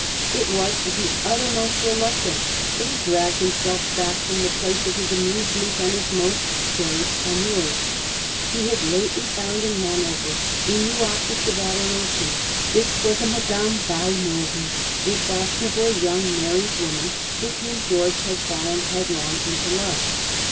It was with the uttermost reluctance that he dragged himself back from the place of his amusements and his most cherished amours. He had lately found in Hanover a new object of adoration. This was a Madame Walmoden, a fashionable young mar ried woman, with whom George had fallen headlong into love.